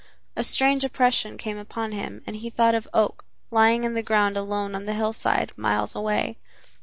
A strange oppression came upon him and he thought of Oak lying in the ground alone on the hillside, miles away.